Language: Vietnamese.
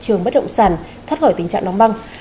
trường bất động sản thoát khỏi tình trạng đóng băng